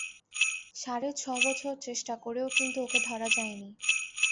সাড়ে ছ বছর চেষ্টা করেও কিন্তু ওকে ধরা যায় নি।